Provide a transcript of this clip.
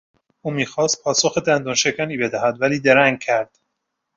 او میخواست پاسخ دندانشکنی بدهد ولی درنگ کرد...